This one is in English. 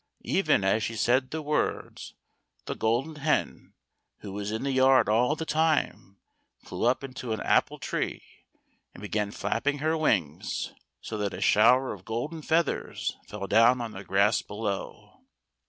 Even as she said the words, the Golden Hen, who was in the yard all the time, flew up into an apple tree, and began flapping her wings, so that a shower of golden feathers fell down on the grass below.